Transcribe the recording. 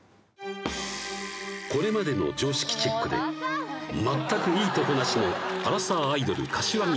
これまでの常識チェックで全くいいとこなしのアラサーアイドル柏木